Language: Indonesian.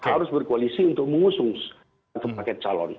harus berkoalisi untuk mengusung satu paket calon